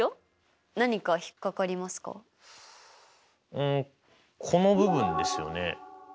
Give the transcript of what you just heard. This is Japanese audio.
うんこの部分ですよね。